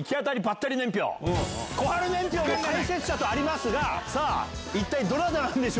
「小春年表の解説者」とありますが一体どなたなんでしょうか？